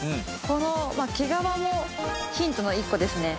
この毛皮もヒントの１個ですね。